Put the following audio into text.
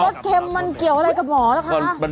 สเค็มมันเกี่ยวอะไรกับหมอล่ะคะ